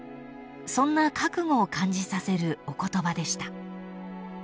［そんな覚悟を感じさせるお言葉でした］